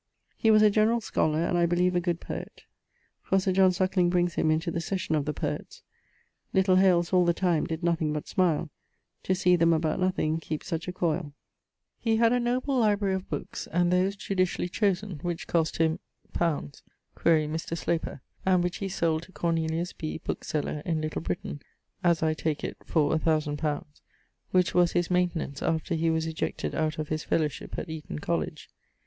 He was a generall scolar, and I beleeve a good poet: for Sir John Suckling brings him into the Session of the Poets: 'Little Hales all the time did nothing but smile, To see them, about nothing, keepe such a coile.' He had a noble librarie of bookes, and those judicially chosen, which cost him ... li. (quaere Mr. Sloper); and which he sold to Cornelius Bee, bookeseller, in Little Britaine, (as I take it, for 1000 li.) which was his maintenance after he was ejected out of his fellowship at Eaton College.